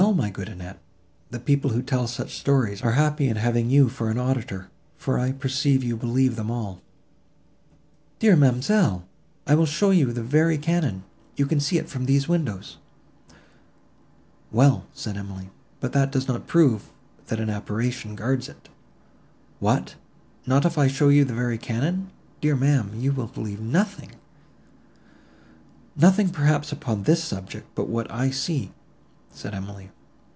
my good Annette, the people who tell such stories, are happy in having you for an auditor, for I perceive you believe them all." "Dear ma'amselle! I will show you the very cannon; you can see it from these windows!" "Well," said Emily, "but that does not prove, that an apparition guards it." "What! not if I show you the very cannon! Dear ma'am, you will believe nothing." "Nothing probably upon this subject, but what I see," said Emily.